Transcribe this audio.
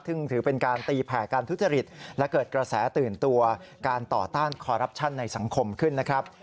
ซึ่งถือเป็นการตีแผ่การทุจริตและเกิดกระแสตื่นตัวการต่อต้านคอรัปชั่นในสังคมขึ้นนะครับ